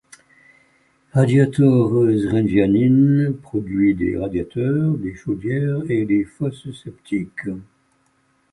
Radijator Zrenjanin produit des radiateurs, des chaudières et des fosses septiques.